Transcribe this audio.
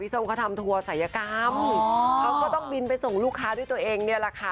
ส้มเขาทำทัวร์ศัยกรรมเขาก็ต้องบินไปส่งลูกค้าด้วยตัวเองเนี่ยแหละค่ะ